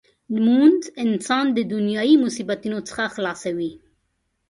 لمونځ انسان د دنیايي مصیبتونو څخه خلاصوي.